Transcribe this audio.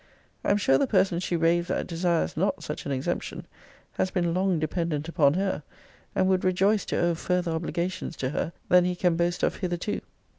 I am sure the person she raves at desires not such an exemption; has been long dependent upon her; and would rejoice to owe further obligations to her than he can boast of hitherto.